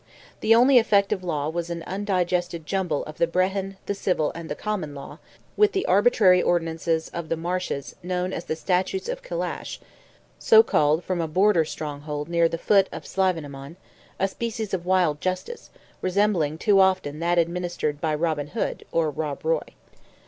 The only effective law was an undigested jumble of the Brehon, the Civil, and the Common law; with the arbitrary ordinances of the marches, known as "the Statutes of Kilcash"—so called from a border stronghold near the foot of Slievenamon—a species of wild justice, resembling too often that administered by Robin Hood, or Rob Roy.